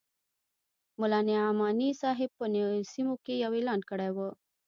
ملا نعماني صاحب په سیمو کې یو اعلان کړی وو.